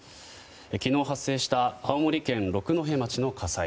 昨日発生した青森県六戸町の火災。